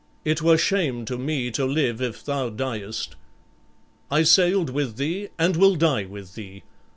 It were shame to me to live if thou diest. I sailed with thee and will die with thee.